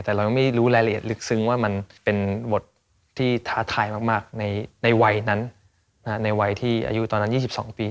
แต่เรายังไม่รู้รายละเอียดลึกซึ้งว่ามันเป็นบทท้าทายมากในวัยที่๒๒ปี